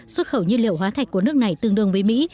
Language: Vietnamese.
xuất khẩu nhiên liệu hóa thạch của nước này tương đương với mỹ